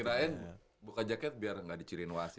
kirain buka jaket biar enggak diciriin wasit